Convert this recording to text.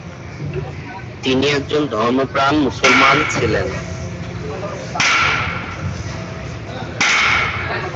তিনি একজন ধর্মপ্রাণ মুসলমান ছিলেন।